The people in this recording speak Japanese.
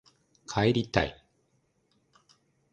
帰りたい